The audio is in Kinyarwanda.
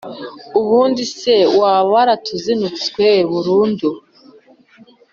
ubundi se, waba waratuzinutswe burundu,